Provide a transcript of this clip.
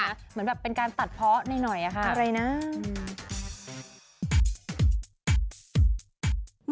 เหมือนแบบเป็นการตัดเพาะหน่อยค่ะอะไรนะ